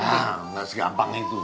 hah gak segampang itu